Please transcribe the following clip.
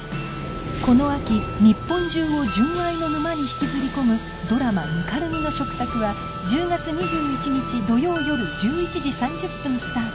この秋日本中を純愛の沼に引きずり込むドラマ『泥濘の食卓』は１０月２１日土曜よる１１時３０分スタート